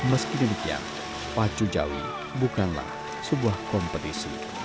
meski demikian pacu jawi bukanlah sebuah kompetisi